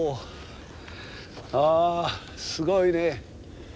あすごいね。